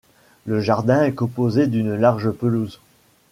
Le jardin est composé d'une large pelouse.